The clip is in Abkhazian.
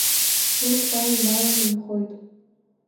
Урҭ уа иҩналаны инхоит…